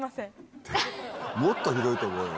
もっとひどいと思うよ。